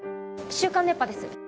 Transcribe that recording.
『週刊熱波』です。